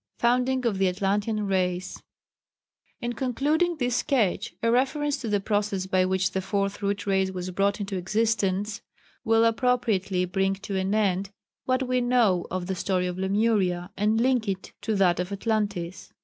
[Sidenote: Founding of the Atlantean Race.] In concluding this sketch, a reference to the process by which the Fourth Root Race was brought into existence, will appropriately bring to an end what we know of the story of Lemuria and link it on to that of Atlantis.